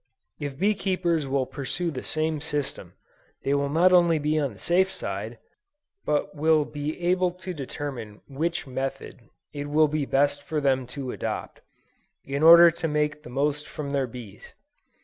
If bee keepers will pursue the same system, they will not only be on the safe side, but will be able to determine which method it will be best for them to adopt, in order to make the most from their bees.